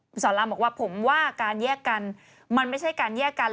คุณสอนรามบอกว่าผมว่าการแยกกันมันไม่ใช่การแยกกัน